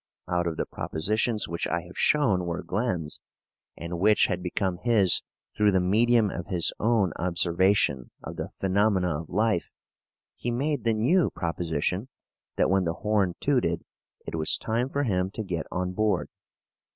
Out of the propositions which I have shown were Glen's, and which had become his through the medium of his own observation of the phenomena of life, he made the new proposition that when the horn tooted it was time for him to get on board.